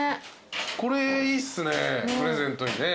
これいいっすねプレゼントにね。